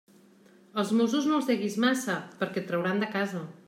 Als mossos no els deguis massa, perquè et trauran de casa.